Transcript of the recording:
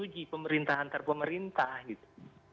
uji pemerintah antar pemerintah gitu